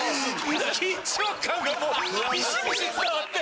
緊張感がビシビシ伝わって。